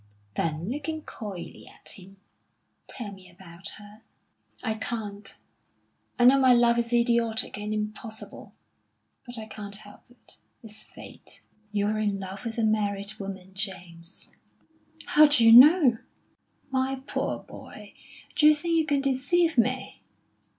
Then looking coyly at him: "Tell me about her." "I can't. I know my love is idiotic and impossible; but I can't help it. It's fate." "You're in love with a married woman, James." "How d'you know?" "My poor boy, d'you think you can deceive me!